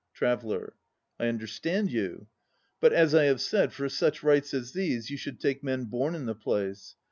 TRAVELLER. I understand you. But, as I have said, for such rites as these you should take men born in the place.